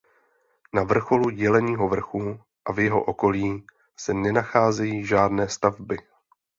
Na vrcholu Jeleního vrchu a v jeho okolí se nenacházejí žádné stavby.